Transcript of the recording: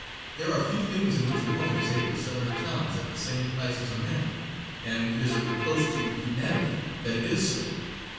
There are few things in which a woman is able to sell her talents at the same price as a man, and it is a reproach to humanity that it is so.